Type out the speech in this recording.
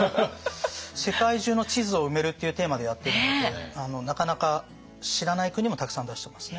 「世界中の地図を埋める」っていうテーマでやってるのでなかなか知らない国もたくさん出してますね。